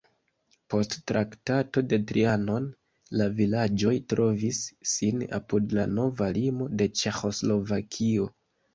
Post Traktato de Trianon la vilaĝoj trovis sin apud la nova limo de Ĉeĥoslovakio.